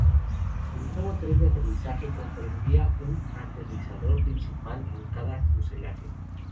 El nuevo tren de aterrizaje comprendía un aterrizador principal en cada fuselaje.